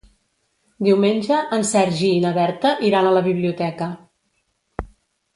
Diumenge en Sergi i na Berta iran a la biblioteca.